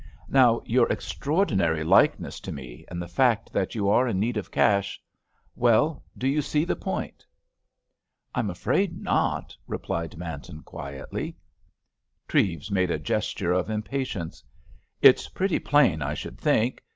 "Now, your extraordinary likeness to me, and the fact that you are in need of cash—well, do you see the point?" "I'm afraid not," remarked Manton quietly. Treves made a gesture of impatience. "It's pretty plain, I should think.